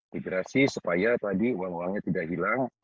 migrasi supaya tadi uang uangnya tidak hilang